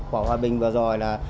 của hòa bình vừa rồi